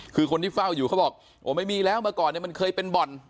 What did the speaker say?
คือคนที่เฝ้าอยู่เขาบอกโอ้ไม่มีแล้วเมื่อก่อนเนี่ยมันเคยเป็นบ่อน